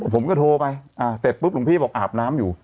ผมก็โทรไปเสร็จปุ๊บหลวงพี่บอกอาบน้ำอยู่